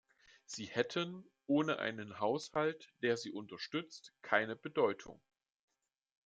Sie hätten ohne einen Haushalt, der sie unterstützt, keine Bedeutung.